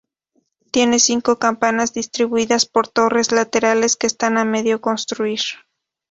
Tiene cinco campanas distribuidas por torres laterales que están a medio construir.